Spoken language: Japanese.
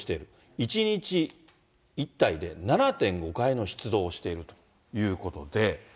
１日１隊で７．５回の出動しているということで。